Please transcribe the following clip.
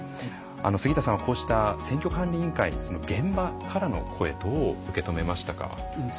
杉田さんは、こうした選挙管理委員会の現場からの声をどう受け止めましたか？